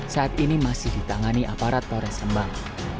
saat ini masih ditangani aparat polres rembang